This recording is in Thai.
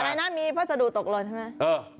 อะไรนะมีพัสดุตกหล่นใช่ไหม